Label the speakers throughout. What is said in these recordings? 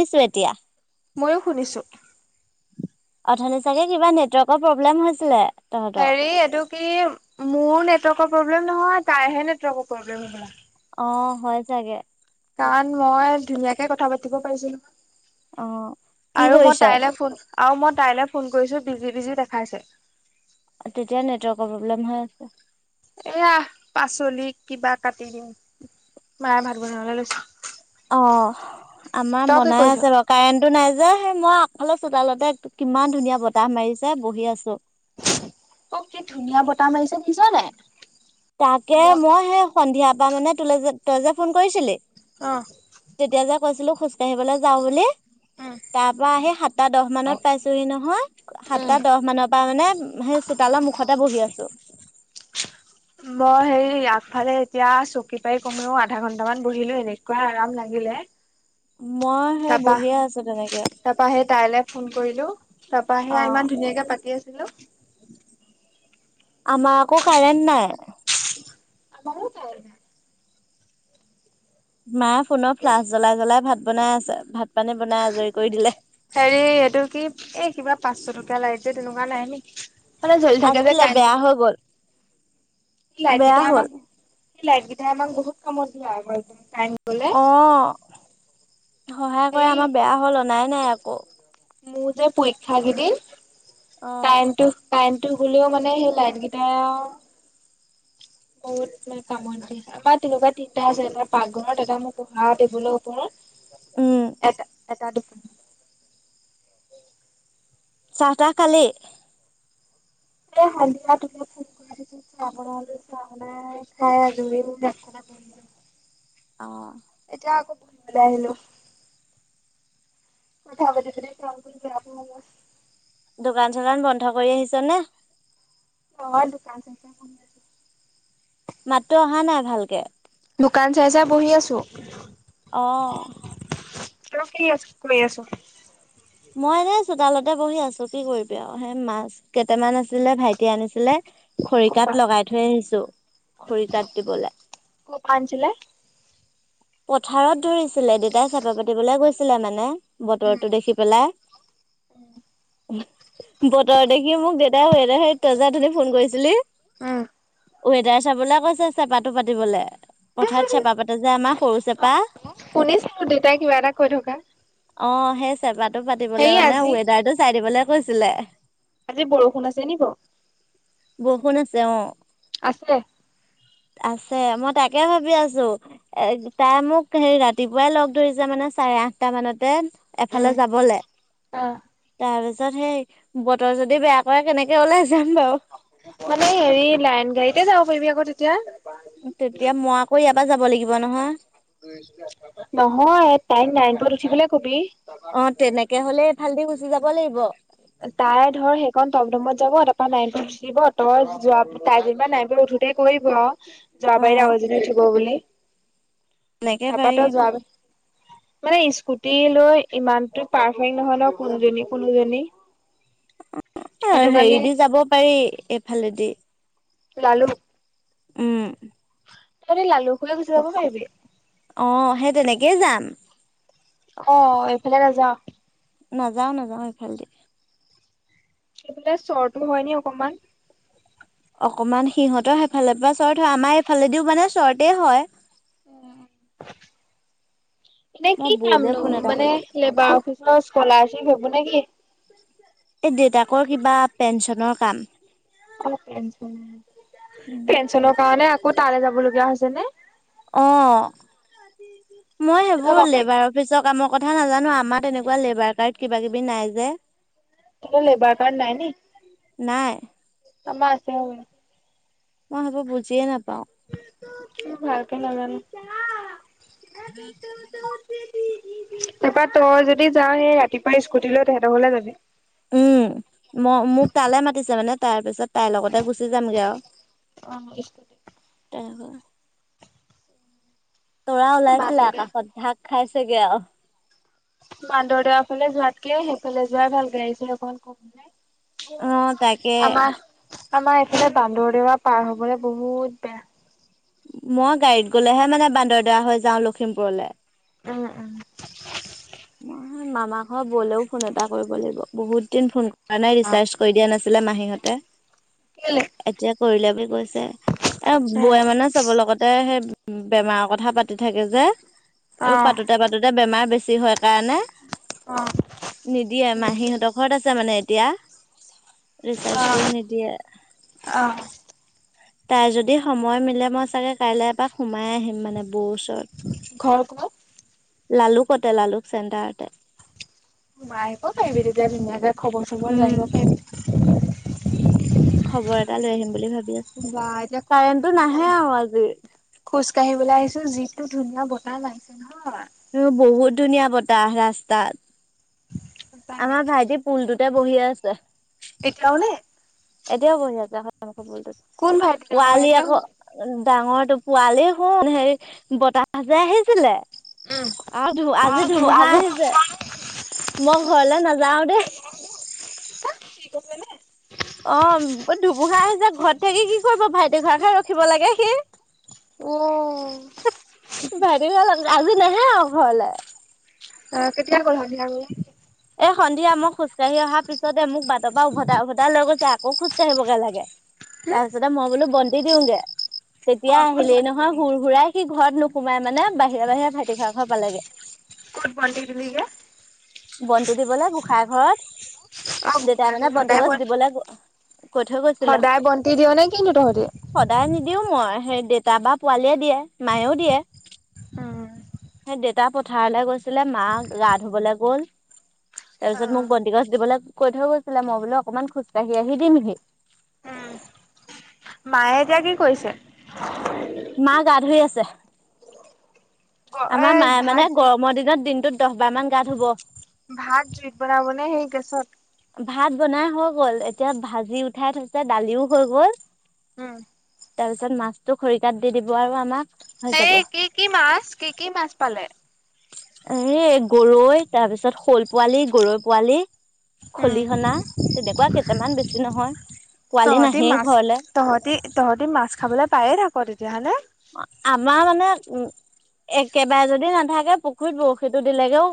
Speaker 1: দিছোঁ এতিয়া।
Speaker 2: ময়ো শুনিছো।
Speaker 1: অথনি চাগে কিবা নেটৱৰ্কৰ প্ৰব্লেম হৈছিলে। তহঁতৰ
Speaker 2: হেৰি এইটো কি মোৰ নেটৱৰ্কৰ প্ৰব্লেম নহয়, তাইহে নেটৱৰ্কৰ প্ৰব্লেম হ'বলা।
Speaker 1: অ', হয় চাগে।
Speaker 2: কাৰণ মই ধুনীয়াকে কথা পাতিব পাৰিছিলো,
Speaker 1: অ কি
Speaker 2: আৰু
Speaker 1: কৰিছ
Speaker 2: মই তাইলৈ ফোন। আৰু মই তাইলে ফোন কৰিছো বিজি, বিজি দেখাইছে।
Speaker 1: তেতিয়া নেটৱৰ্ক প্ৰব্লেম হয় আছে।
Speaker 2: এয়া পাচলি কিবা কাটি দিম, মায়ে ভাত বনাবলৈ লৈছে।
Speaker 1: অ', আমাৰ
Speaker 2: তই কি
Speaker 1: বনাই
Speaker 2: কৰিছ
Speaker 1: আছে বাৰু কাৰেন্টটো নাই যে। যে সেই মই আলপ চোতালতে কিমান ধুনীয়া বতাহ মাৰিছে বহি আছো।
Speaker 2: অ', কি ধুনীয়া বতাহ মাৰিছে দেখিছ নে নাই?
Speaker 1: তাকে মই সেই সন্ধিয়া পৰা মানে তোলে যে তই যে ফোন কৰিছিলি?
Speaker 2: অ'।
Speaker 1: তেতিয়া যে কৈছিলো খোজ কঢ়িবলৈ যাওঁ বুলি?
Speaker 2: উম,
Speaker 1: তাৰ পৰা আহি সাতটা-দহ মানত পাইছোঁহি নহয়,
Speaker 2: উম
Speaker 1: সাতটা দহ মানৰ পৰা মানে সেই চোতালত মুখতে বহি আছো।
Speaker 2: মই সেই আগফালে এতিয়া চকী পাৰি কমিও আধা ঘন্টামান বহিলো, এনেকুৱা আৰাম লাগিলে।
Speaker 1: মই সেই
Speaker 2: তাৰপা
Speaker 1: বহিয়েই আছো তেনেকে।
Speaker 2: তাৰপা সেই তাইলৈ ফোন কৰিলো, তাৰপা
Speaker 1: অ
Speaker 2: সেই ইমান ধুনীয়াকে পাতি আছিলোঁ।
Speaker 1: আমাৰ আকৌ কাৰেণ্ট নাই।
Speaker 2: আমাৰো কাৰেণ্ট নাই।
Speaker 1: মায়ে ফোনৰ ফ্লাছ জ্বলাই, জ্বলাই ভাত বনাই আছে, ভা
Speaker 2: হেৰি এইটো কি এই কিবা পাঁচশ টকীয়া লাইট তেনেকুৱা নাইে নেকি? মানে জ্বলি থাকে যে
Speaker 1: আছিলে
Speaker 2: কায়েণ্ট
Speaker 1: বেয়া
Speaker 2: গ'লেও।
Speaker 1: হৈ গ'ল
Speaker 2: সেই
Speaker 1: বেয়া
Speaker 2: লাইটকেইটা
Speaker 1: হ'ল
Speaker 2: আমাক সেই লাইটকেইটাই আমাক বহুত কামত দিয়ে [unintelligible]
Speaker 1: অ', সহায় কৰে
Speaker 2: হেৰি
Speaker 1: আমাৰ বেয়া হ'ল নাই আকৌ।
Speaker 2: মোৰ যে পৰীক্ষা কেইদিন
Speaker 1: অ
Speaker 2: কাৰেণ্টতো কাৰেণ্ট ত গ'লেও মানে সেই লাইট কেইটায়ে আৰু বহুত মানে কামত দিয়ে। আমাৰ তেনেকুৱা তিনিটা আছিলে এটা পাকঘৰত এটা মই পঢ়া টেবুলৰ
Speaker 1: উম
Speaker 2: ওপৰত। এটা-এটা
Speaker 1: চাহ তাহ খালি?
Speaker 2: এ হালধীয়া [unintelligible] বঢ়িয়া।
Speaker 1: অ'।
Speaker 2: এতিয়া আকৌ বাহিৰলৈ আহিলো। কথা পাতি পাতি [unintelligible]
Speaker 1: দোকান চোকান বন্ধ কৰি আহিছ নে?
Speaker 2: অ', দোকান [unintelligible]
Speaker 1: মাতটো অহা নাই ভালকে।
Speaker 2: দোকান চাই চাই বহি আছো।
Speaker 1: অ'।
Speaker 2: তই কি [unintelligible] কৰি আছ?
Speaker 1: তাতে বহি আছো কি কৰিবি আৰু। হেই মাছ কেইটামান আছিলে ভাইটি আনিছিলে।
Speaker 2: ক'পা
Speaker 1: খৰিকাত লগাই থৈ আনিছো খৰিকাত দিবলৈ।
Speaker 2: ছিলে।
Speaker 1: পথাৰত ধৰিছিলে দেউতাই চেপা পাতিবলৈ গৈছিলে মানে। বতৰটো দেখি পেলাই। বতৰ দেখি মোক দে তেওঁ সেই সেইটোৱে যে তই যে উঠনি ফোন কৰিছিলি।
Speaker 2: উম,
Speaker 1: ৱেদাৰ চাবলে কৈছে, চেপাটো পাতিবলৈ পথাৰত চেপা পাতে যে আমাৰ। সৰু চেপা
Speaker 2: শুনিছো দেউতাই কিবা এটা কৈ থকা।
Speaker 1: অ' সেই চেপাটো
Speaker 2: হেৰি
Speaker 1: পাতিবলে মানে
Speaker 2: আজি
Speaker 1: ৱেডাৰটো চাই দিবলৈ কৈছিলে।
Speaker 2: আজি বৰষুণ আছে নি বাৰু?
Speaker 1: বৰষুণ আছে অ'।
Speaker 2: আছে?
Speaker 1: আছে। মই তাকে ভাবি আছো। এ তাই মোক হেৰি ৰাতিপুৱাই লগ ধৰিছে মানে চাৰে আঠটা মানতে। এফালে
Speaker 2: উম।
Speaker 1: যাবলে।
Speaker 2: অ',
Speaker 1: তাৰপিছত সেই বতৰ যদি বেয়া মই কেনেকে ওলাই যাম বাৰু?
Speaker 2: মানে হেৰি লাইন গাড়ীতে যাব পাৰিবি আকৌ তেতিয়া।
Speaker 1: তেতিয়া মই আকৌ ইয়াৰ পৰা যাব লাগিব। নহয়
Speaker 2: নহয় তাইক [unintelligible] উঠিবলৈ কবি?
Speaker 1: একে হ'লেই এইফাল দি গুচি যাব লাগিব।
Speaker 2: ধৰ সেইকণ টমটমত [unintelligible] উঠিব তাই যোৱা তাই [unintelligible] উঠোতে কৰিব আৰু।
Speaker 1: অ
Speaker 2: জৰাবাৰীত আৰু এজনী উঠিব বুলি।
Speaker 1: এনেকে
Speaker 2: তাৰপা তই
Speaker 1: পাৰিম।
Speaker 2: যোৱা মানে স্কুটি লৈ ইমানতটো পাৰফেক্ট নহয় ন কোনজনী কোনজনী।
Speaker 1: হেৰি দি যাব পাৰি এইফালে দি।
Speaker 2: লালু
Speaker 1: উম।
Speaker 2: তহতে লালু খোলা গুচি যাব পাৰিবি।
Speaker 1: অ', সেই তেনেকেই যাম।
Speaker 2: অ', এইফালে নাযাওঁ?
Speaker 1: নাযাও - নাযাও এইফাল দি।
Speaker 2: সেফালে চৰটো হয় নে অকমান?
Speaker 1: অকমান সিহঁতৰ সেইফালৰ পৰা চৰ্ট হয়, আমাৰ এইফালেদিও মানে চৰ্ট হয়।
Speaker 2: উম। এনেই
Speaker 1: মই
Speaker 2: কি
Speaker 1: বৌলে
Speaker 2: কামনো,
Speaker 1: ফোন এটা
Speaker 2: মানে
Speaker 1: কৰিব লাগিব
Speaker 2: লেবাৰ অফিচৰ স্কলাৰশ্বিপ হব নে কি?
Speaker 1: এই দেউতাকৰ কিবা পেঞ্চনৰ কাম।
Speaker 2: [inaudible] পেঞ্চনৰ কাৰণে আকৌ তালৈ যাব লগীয়া হৈছে নে?
Speaker 1: অ, মই
Speaker 2: তহঁতৰ
Speaker 1: সেইবোৰ
Speaker 2: বাপেক
Speaker 1: লেবাৰ অফিচৰ কামৰ কথা কথা নাজানো আমাৰ তেনেকুৱা লেবাৰ কাৰ্ড কিবা- কিবি নাই যে।
Speaker 2: লেবাৰ কাৰ্ড নাই নি?
Speaker 1: নাই
Speaker 2: আমাৰ আছে।
Speaker 1: মই সেইবোৰ বুজিয়ে নাপাওঁ।
Speaker 2: ভালকে নাজানো।
Speaker 1: উম উম।
Speaker 2: তাৰপা তই যদি যাওঁ, সেই ৰাতিপুৱাই স্কুটি লৈ তেহেতৰ ঘৰলে যাবি?
Speaker 1: উম ম- মোক তালে মাতিছে মানে তাৰ পিছত তাইৰ লগতে গুচি যামগে আৰু।
Speaker 2: অ। [inaudible]
Speaker 1: আৰু তৰা ওলাইছিলে
Speaker 2: বান্দৰদেৱা
Speaker 1: আকাষত ঢাক খাইছে গে আৰু
Speaker 2: সিফালে যোৱাই ভাল গাড়ী - চাৰি অকমান কম
Speaker 1: অ
Speaker 2: হয়
Speaker 1: তাকে
Speaker 2: আমাৰ আমাৰ এইফালে বান্দৰদেৱা পাৰ হবলৈ বহুত বেয়া
Speaker 1: মই গাড়ীত গলেহে মানে বান্দৰদৰা হৈ যাওঁ লখিমপুৰলৈ
Speaker 2: উম - উম।
Speaker 1: মই মামা ঘৰ বলেও ফোন এটা কৰিব লাগিব বহুত দিন ফোন কৰা নাই
Speaker 2: উম
Speaker 1: ৰিচাৰ্জ কৰি দিয়া নাছিলে মাহী
Speaker 2: কেলে
Speaker 1: এতিয়া কৰিলে বুলি কৈছে। এ বোৱাৰ মানে চবৰ লগতে সেই বেমাৰৰ কথা পাতি থাকে যে। আৰু পাতোতে
Speaker 2: অহ
Speaker 1: পাতোতে বেমাৰ বেছি হয় কাৰণে
Speaker 2: অহ
Speaker 1: নিদিয়ে মাহীহঁতৰ ঘৰত আছে মানে এতিয়া ৰিচাৰ্চ কৰি
Speaker 2: অহ
Speaker 1: নিদিয়ে।
Speaker 2: অহ
Speaker 1: তাই যদি সময় মিলে মই চাগে কাইলৈ এপাক সোমাই আহিম মানে বৌ ওচৰত।
Speaker 2: ঘৰ ক'ত?
Speaker 1: লালুকতে লালুক চেণ্টাৰতে।
Speaker 2: ম সোমাই আগিব পাৰিবি তেতিয়া ধুনীয়াকে খবৰ চবৰ লৈ
Speaker 1: উম
Speaker 2: পাৰিবি
Speaker 1: খবৰ এটা লৈ আহিম বুলি ভাবি
Speaker 2: বা এতিয়া
Speaker 1: কাৰেণ্টো নাহে আৰু আজি
Speaker 2: জিটো ধুনীয়া বতাহ লাইছে নহয়
Speaker 1: উ বহুত ধুনীয়া বতাহ ৰাস্তাত
Speaker 2: সঁচাকে
Speaker 1: আমাৰ ভাইটি পুলটোতে বহি আছে।
Speaker 2: এতিওনে?
Speaker 1: এতিয়াও পঢ়ি [unintelligible] বলটোত
Speaker 2: কোন ভাইটি ডাঙৰ
Speaker 1: পোৱালি
Speaker 2: ভাইটি নে
Speaker 1: আকৌ
Speaker 2: সৰু?
Speaker 1: ডাঙৰ তটো পোৱালেই শুন হেৰি বতাহ যে আহিছিলে অ ধু আজি ধুমুহা
Speaker 2: আজি
Speaker 1: আহিছে মই ঘৰলে নাযাও দেই
Speaker 2: [unintelligible] সি কছে নে?
Speaker 1: অ ধুমুহা আহিছে ঘৰত থাকি কি কৰিব ভাইটি ঘৰ [unintelligible] ৰখিব লাগে সি
Speaker 2: উ,,
Speaker 1: [unintelligible] আজি নাহে আৰু ঘৰলে
Speaker 2: অ কেতিয়া গ'ল হয়
Speaker 1: এই সন্ধিয়া মই খোজ ককাঢ়ি অহাৰ পিছতে মোক বাটৰ পৰা উভতাই উভতাই লৈ গৈছে আকৌ খোজকাঢ়িব গে লাগে তাৰপিছতে মই বোলো বন্তি দিওঁগে তেতিয়া আহিলেই নহয় হুৰ হুৰাই সি ঘৰত নোসোমাই মানে বাহিৰে বাহিৰে ভাইটি [unintelligible] ঘৰ পালেগে।
Speaker 2: ক'ত বন্তি দিলিগে?
Speaker 1: বন্তি দিবলৈ গোঁসাই ঘৰত,
Speaker 2: অ
Speaker 1: দেতা
Speaker 2: গোসাঁই
Speaker 1: মানে
Speaker 2: ঘৰ
Speaker 1: বন্তি
Speaker 2: সদায়
Speaker 1: গছ
Speaker 2: গ'ল
Speaker 1: দিবলৈ। কৈ থৈ গৈছিলে,
Speaker 2: সদায় বন্তি দিয় নে কিনো তহঁতি
Speaker 1: সদায় নিদিও মই। সেই দেউতা বা পোৱালিয় দিয়ে মায়েও দিয়ে।
Speaker 2: উম
Speaker 1: সেই দেউতা পথাৰলৈ গৈছিলে, মা গা ধুবলৈ গ'ল।
Speaker 2: অ
Speaker 1: তাৰপিছত মোক বন্তি গছ দিবলৈ কৈ থৈ গৈছিলে, মই বোলো অকনমান খোজকাঢ়ি আহি দিমহি।
Speaker 2: উম মায়ে এতিয়া কি কৰিছে?
Speaker 1: মায়ে গা ধুই আছে।
Speaker 2: এ
Speaker 1: আমাৰ মায়ে
Speaker 2: ভাত
Speaker 1: মানে
Speaker 2: জুইত
Speaker 1: গৰমৰ দিনত দিনটোত দহ বাৰ মান গা ধুব।
Speaker 2: ভাত জুইত বনাবনে, গেছত?
Speaker 1: ভাত বনাই হৈ গ'ল, এতিয়া ভাজি উঠাই থৈছে দালিও হৈ গ'ল।
Speaker 2: উম,
Speaker 1: তাৰ পিছত মাছটো খৰিকাত দি দিব আৰু আমাক হৈ
Speaker 2: সেই
Speaker 1: যাব।
Speaker 2: কি, কি মাছ কি, কি মাছ পালে?
Speaker 1: হেৰি গৰৈ তাৰ পিছত শ'ল পোৱালি, গৰৈ পোৱালি।
Speaker 2: উম
Speaker 1: খলিহনা তেনেকুৱা কেইটামান বেছি নহয়। পোৱালি
Speaker 2: তহঁতি
Speaker 1: নাহেই
Speaker 2: মাছ
Speaker 1: ঘৰলে
Speaker 2: তহঁতি, তহঁতি মাছ খাবলৈ পায়েই থাক তেতিয়াহ'লে?
Speaker 1: আমাৰ মানে উম, একেবাৰে যদি নাথাকে, পুখুৰীত বৰশীতটো দিলেগেও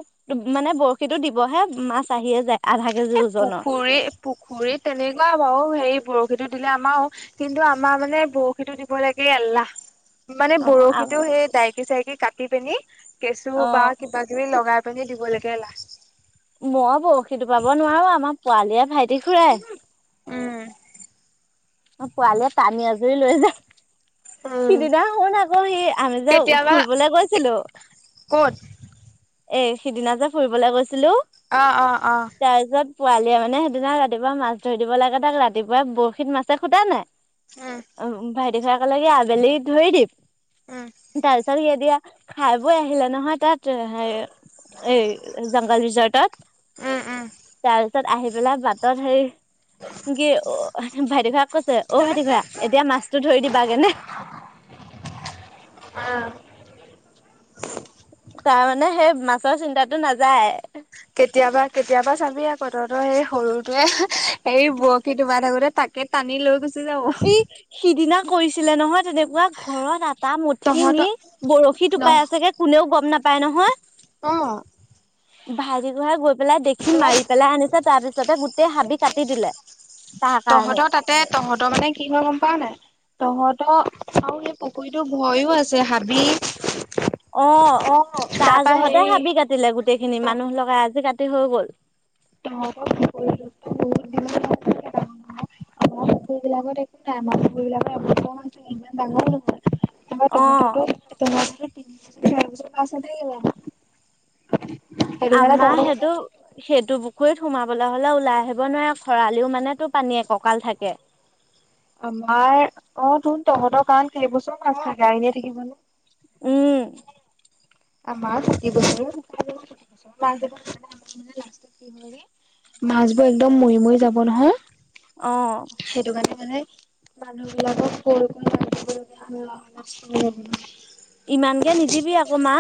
Speaker 1: মানে বৰশীতো দিবহে মাছ আহিয়েই যায় আধা কেজি
Speaker 2: এ,
Speaker 1: ওজনৰ
Speaker 2: পুখুৰী, পুখুৰীত তেনেকুৱা বাৰু হেৰি বৰশীটোত। দিলে আমাৰো, কিন্তু আমাৰ মানে বৰশীতটো দিব লেকে এলাহ। মানে
Speaker 1: অ
Speaker 2: বৰশীতো সেই দাইকি-চাইকি কাটি পেনি কেঁচু
Speaker 1: অ
Speaker 2: বা কিবা কিবি লগাই। পিনে দিব লাগে এলাহ।
Speaker 1: মই বৰশীটো বাব নোৱাৰো, আমাৰ পোৱালিয়ে ভাইটি খুৰাই।
Speaker 2: উম,
Speaker 1: অ', পোৱালীয়ে টানি আজৰি লৈ যায়।
Speaker 2: উম
Speaker 1: সিদিনা শুন আকৌ সেই আমি যে
Speaker 2: কেতিয়াবা
Speaker 1: ফুৰিবলৈ গৈছিলোঁ।
Speaker 2: ক'ত?
Speaker 1: এ, সিদিনা যে ফুৰিবলে গৈছিলোঁ,
Speaker 2: অ অ অ
Speaker 1: তাৰ পিছত পোৱালীয়ে মানে সেইদিনা ৰাতিপুৱা মাছ ধৰি দিব লাগে, তাক ৰাতিপুৱাই বৰশীত মাছে খুটাই নাই।
Speaker 2: উম
Speaker 1: অ', ভাইটি খুৰাই ক'লে কি আবেলি ধৰি দিম,
Speaker 2: উম
Speaker 1: তাৰ পিছত সি এতিয়া খাই বৈ আহিলে নহয় তাত হেৰি। এ, জংগল ৰিজৰ্টতত।
Speaker 2: উম উম
Speaker 1: তাৰপিছত আহি পেলাই বাটত হেৰি কি অ', ভাইটি খোৰাক কৈছে অ', ভাইটি খুৰা এতিয়া মাছতটো ধৰি দিবাগেনে।
Speaker 2: অ'।
Speaker 1: তাৰমানে সেই মাছৰ চিন্তাটো নাযায়।
Speaker 2: কেতিয়াবা, কেতিয়াবা চাবি আকৌ তহঁতৰ সেই সৰুটোৱে এই বৰশী তোমাৰ থাকোতে। তাকে টানি লৈ গুচি যাব
Speaker 1: এই সিদিনা কৰিছিলে নহয়, তেনেকুৱা ঘৰত। টা মুঠি নি
Speaker 2: তহঁতৰ
Speaker 1: বৰশী
Speaker 2: ন
Speaker 1: টোপাই আছেগে, কোনেও গম নাপায় নহয়।
Speaker 2: অ'।
Speaker 1: ভাইটি খুৰাই গৈ পেলাই দেখি
Speaker 2: অলপ
Speaker 1: মাৰি পেলাই আনিছে, তাৰ পিছতে গোটেই হাবি কাটি দিলে। তাৰ কাৰণে
Speaker 2: তহঁতৰ তাতে তহঁতৰ মানে কি মই গম পাৱ নাই। তহঁত আৰু সেই পুখুৰীতটো ভয়ো আছে হাবি।
Speaker 1: অ', তাৰ
Speaker 2: তাৰপা
Speaker 1: জহতে
Speaker 2: হেৰি
Speaker 1: হাবি কাটিলে গোটেই খিনি মানুহ
Speaker 2: তহঁতৰ
Speaker 1: লগাই আজি কাট হৈ গ'ল।
Speaker 2: [inaudible] আমাৰ পুখুৰি বিলাকত একো নাই, আমাৰ পুখুৰ বিলাকৰোৰ অকনমান দ আছে, ইমান ডাঙৰ
Speaker 1: অ
Speaker 2: নহয়। [unintelligible] [unintelligible] তোমাৰ। তিনিজ। [unintelligible] [unintelligible] [unintelligible]
Speaker 1: আমাৰ সেইটো সেইটো পুখুৰীত সোমাবলৈ হলে ওলাই আহিব নোৱাৰে খৰালিও মানে তো পানী একঁকাল থাকে।
Speaker 2: আমাৰ অ তোন তহঁতৰ কাৰণ সবচোন গা এনেয়ে থাকিব নে?
Speaker 1: উম,,
Speaker 2: আমাৰ প্ৰতি বছৰ [unintelligible] [unintelligible] আমাৰ মানে লাষ্টত কি হয় মাছবোৰ একদম মৰি মৰি যাব নহয়।
Speaker 1: অ,,
Speaker 2: সেইটো কাৰণে মানে মানুহ বিলাকক [unintelligible] [unintelligible] আমি
Speaker 1: ইমানকে নিদিবি আকৌ মা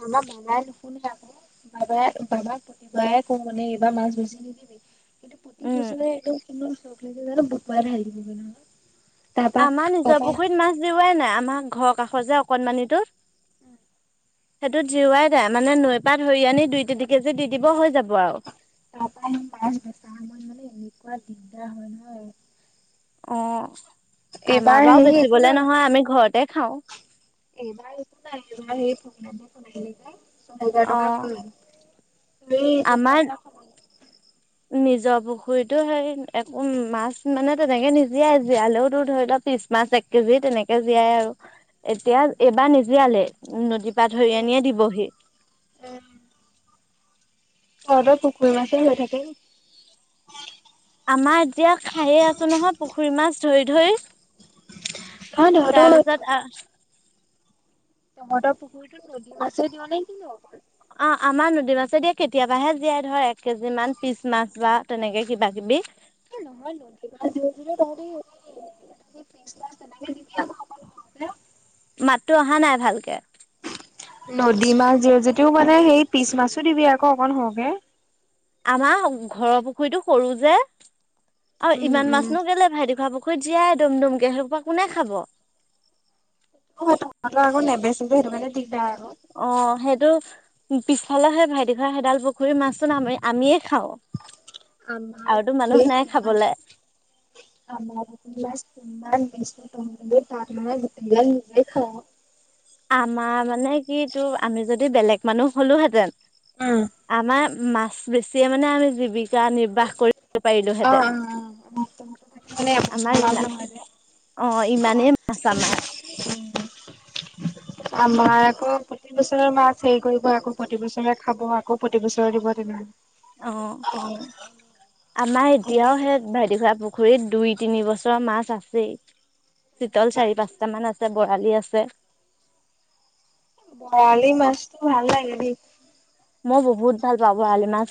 Speaker 2: আমাৰ আমাৰ নুশুনে আকৌ বাবাই বাবাক প্ৰতিবাই কওঁ মানে এইবাৰ মাছ বেছি নিদিবি কিন্তু প্ৰতি
Speaker 1: উম
Speaker 2: বছৰে এইটো কিমান চখ লাগে য বুধবাৰে [unintelligible] নহলে
Speaker 1: আমাৰ নিজৰ পুখুৰীত মাছ জিওৱাই নাই আমাৰ ঘৰৰ কাষৰ যে অকনমানিতোত সেইটোত জিওৱাই দে মানে নৈ পাত ধৰি আনি দুই তিনি কেজি দি দিব হৈ যাব আৰু
Speaker 2: তাৰ পৰাৰা সি মাছ বেচাৰ সময়ত মানে এনেকুৱা দিগদাৰ হয় নহয়।
Speaker 1: অ, আমাৰ বাও
Speaker 2: হেৰি
Speaker 1: বেচিবলে নহয় আমি ঘৰতে খাও।
Speaker 2: এইব এইটো নাই সেই ফকলেনে [unintelligible] লে যে ছয় হাজাৰ
Speaker 1: অ
Speaker 2: টকা ভৰিলো।
Speaker 1: আমাৰ নিজৰ পুখুৰীতো হে একো মাছ মানে তেনেকে নিজিয়াই জীয়ালেওো ধৰি লও পিছ মাছ এক কেজি তেনেকে জীয়াই আৰু এতিয়া এইবাৰ নিজিয়লে নদী পা ধৰি আনীয়ে দিবহী।
Speaker 2: [unintelligible] পুখুৰী মাছে হৈ থাকে।
Speaker 1: আমাৰ এতিয়া খায়ে আছো নহয় পুখুৰী মাছ ধৰি ধৰি।
Speaker 2: কাৰণ
Speaker 1: তাৰপিছত আ
Speaker 2: তহঁতৰ পুখুৰীটোত নদী মাছে দিয় নে কিনো অকল?
Speaker 1: অ, আমাৰ নদী মাছে দিয়ে কেতিয়াবাহে জীয়াই ধৰে এক কেজি মান পিচ মাছ বা তেনেকে কিবা-কিবি
Speaker 2: এ নহয় ৰহ কিবা যদিও তিনি পিচ মাচ তেনেকে দিবি আকৌ হেল্ল।
Speaker 1: মাততো অহা নাই ভালকে।
Speaker 2: নদী মাছ দিয় যদিও মানে সেই পিচ মাছো দিবি আকৌ অকন সৰকে।
Speaker 1: আমাৰ ঘৰৰ পুখুৰীটো সৰু যে আৰু
Speaker 2: উম
Speaker 1: ইমান
Speaker 2: উম।
Speaker 1: মাছনো কেইলে ভাইটীখুৰা পুখুৰী [unintelligible] জীয়াই দম দম কে সেই সোপা কোনে খাব।
Speaker 2: অ তহতৰ আক নেবেচ যে সেইটো কাৰণে দিগদাৰ আৰু।
Speaker 1: অ সেইটো পিছফালে সেই ভাইটি খুৰা সেইডাল পুখুৰীৰ মাছতো আমিয়ে খাওঁ।
Speaker 2: আমাৰ
Speaker 1: আৰুতো মানুহ
Speaker 2: পুখুৰী
Speaker 1: নাই
Speaker 2: [unintelligible]
Speaker 1: খাবলে
Speaker 2: আমাৰ পুখুৰীৰ মাছ কিমান তাৰ [unintelligible] নিজে খাওঁ
Speaker 1: আমাৰ মানে কি তোৰ আমি যদি বেলেগ মানুহ হলো হেতেন
Speaker 2: উম।
Speaker 1: আমাৰ মাছ বেছিয়ে মানে আমি জিবি জিবিকা নিৰ্বাহ কৰিব
Speaker 2: অ
Speaker 1: পাৰিলোহেঁতেন
Speaker 2: অ মানে এবছৰ
Speaker 1: আমাৰ
Speaker 2: মাছ
Speaker 1: ইমান
Speaker 2: নহয় যে।
Speaker 1: অ ইমানেই মাছ আমাৰ
Speaker 2: উম, আমাৰ আকৌ প্ৰতি বছৰৰ মাছ হেৰি কৰিব আকৌ প্ৰতি বছৰে খাব আকৌ প্ৰতিবছৰে দিব তেনেকে
Speaker 1: অ আমাৰ এতিয়াও সেই ভাইটি খুৰা পুখুৰী পুখুৰীত দুই তিনি বছৰৰ মাছ আছেই চিতল চাৰি পাঁচটা মান আছে বৰালি আছে
Speaker 2: বৰালি মাছতো ভাল লাগে দেই
Speaker 1: মই বহুত ভাল পাঁও বৰালি মাছ